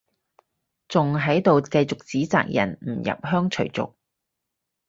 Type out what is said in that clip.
仲喺度繼續指責人唔入鄉隨俗